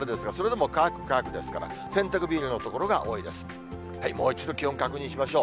もう一度気温確認しましょう。